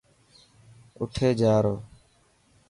اُٺي جا رو.